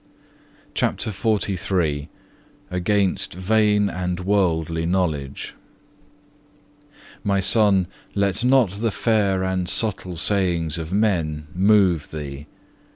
CHAPTER XLIII Against vain and worldly knowledge "My Son, let not the fair and subtle sayings of men move thee.